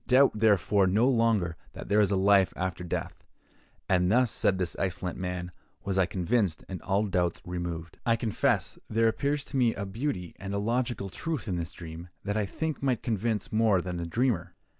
Doubt, therefore, no longer that there is a life after death.' And thus," said this excellent man, "was I convinced, and all doubts removed." I confess there appears to me a beauty and a logical truth in this dream that I think might convince more than the dreamer.